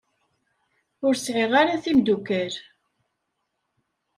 Ur sɛiɣ ara timeddukal.